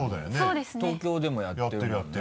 東京でもやってるもんね。